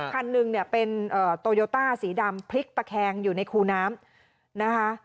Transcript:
คันหนึ่งเนี่ยเป็นโตโยต้าสีดำพลิกตะแคงอยู่ในคูน้ำนะคะ